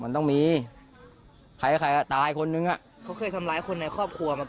มันต้องมีใครใครอ่ะตายคนนึงอ่ะเขาเคยทำร้ายคนในครอบครัวมาก่อน